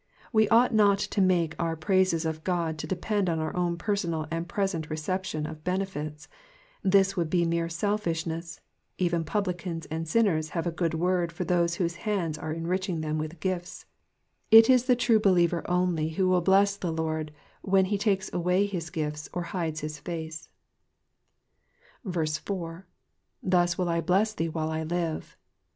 We ought not to make our praises of God to depend upon our own personal and present reception of benefits ; this would be mere selfishness ; even publicans and sinners have a good word for those whose hands are enriching them with gifts ; it is the true believer only who will bless the Lord when he takes away his gifts or hides his face. 4. '*7%M wiU I bless thee while I live.'